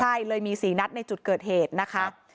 ใช่เลยมี๔นัดในจุดเกิดเหตุนะคะ